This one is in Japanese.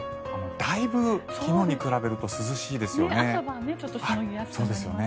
だいぶ昨日に比べると涼しいですよね。